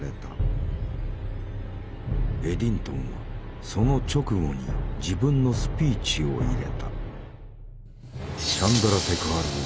エディントンはその直後に自分のスピーチを入れた。